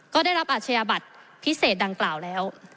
ก็ได้รับอาชญาบัตรพิเศษดังกล่าวแล้ว